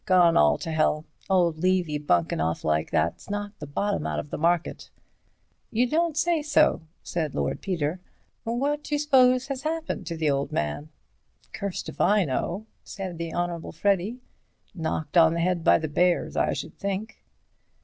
Gone all to hell. Old Levy bunkin' off like that's knocked the bottom out of the market." "You don't say so," said Lord Peter; "what d'you suppose has happened to the old man?" "Cursed if I know," said the Honourable Freddy; "knocked on the head by the bears, I should think."